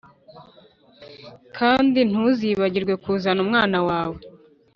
ikindi ntuzibagirwe kuzana umwana wawe